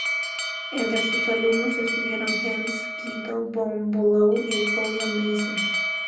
Entre sus alumnos estuvieron Hans Guido von Bülow y William Mason.